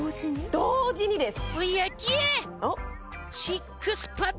同時にです